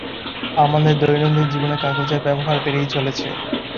আমাদের দৈনন্দিন জীবনে কাগজের ব্যবহার বেড়েই চলেছে।